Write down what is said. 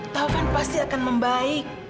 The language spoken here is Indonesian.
taufan pasti akan membaik